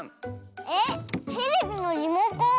えっテレビのリモコン。